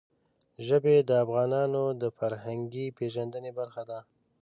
ژبې د افغانانو د فرهنګي پیژندنې برخه ده.